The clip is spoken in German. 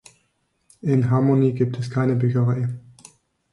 In Harmony gibt es keine Bücherei.